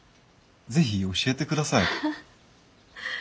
是非教えてください。